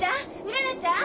うららちゃん？